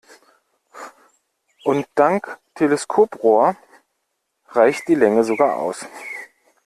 Und dank Teleskoprohr reicht die Länge sogar aus.